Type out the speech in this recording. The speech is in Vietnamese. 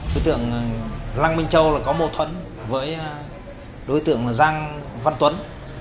đối tượng lăng minh châu là có mâu thuẫn với đối tượng giang văn tuấn